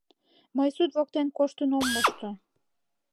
Мый суд воктен коштын ом мошто.